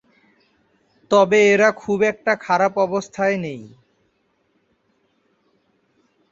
তবে এরা খুব একটা খারাপ অবস্থায় নেই।